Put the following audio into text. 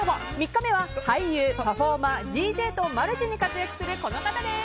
３日目は俳優、パフォーマーＤＪとマルチに活躍するこの方です。